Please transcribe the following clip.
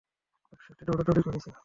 একসাথে দৌড়াদৌড়ি করেছে।